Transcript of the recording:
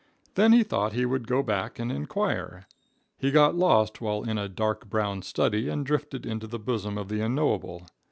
Then he thought he would go back and inquire. He got lost while in a dark brown study and drifted into the bosom of the unknowable.